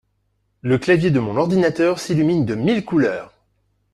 Le clavier de mon ordinateur s'illumine de mille couleurs